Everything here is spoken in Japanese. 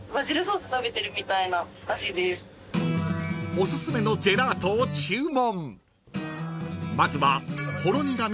［おすすめのジェラートを注文］